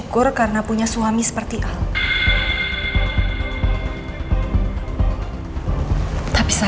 bikin luar biasa